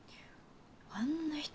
あんな人